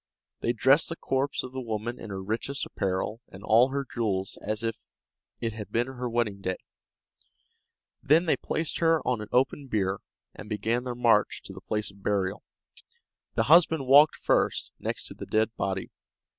They dressed the corpse of the woman in her richest apparel and all her jewels as if it had been her wedding day; then they placed her on an open bier, and began their march to the place of burial. The husband walked first, next to the dead body.